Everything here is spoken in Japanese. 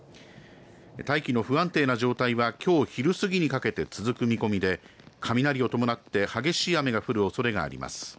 大気の不安定な状態はきょう昼過ぎにかけて続く見込みで雷を伴って激しい雨が降るおそれがあります。